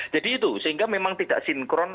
jadi itu sehingga memang tidak sinkron